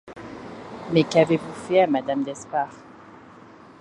Mais qu’avez-vous fait à madame d’Espard?